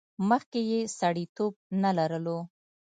مخکې یې سړیتیوب نه لرلو.